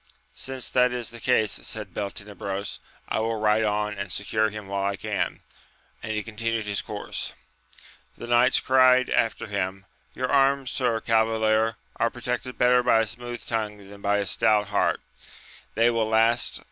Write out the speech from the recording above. Since that is the case, said Beltenebros, I will ride on and secure him while I can ; and he continued his course. The knights cried after him, Your arms, sir cavalier, are protected better by a smooth tongue than by a stout heart : they will last to.